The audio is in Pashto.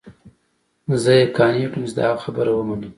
زه يې قانع كړم چې د هغه خبره ومنم.